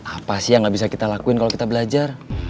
apa sih yang gak bisa kita lakuin kalau kita belajar